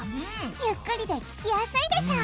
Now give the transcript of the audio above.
ゆっくりで聞きやすいでしょ！